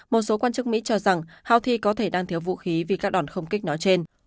một số quan chức mỹ cho rằng houthi có thể đang thiếu vũ khí vì các đòn không kích nói trên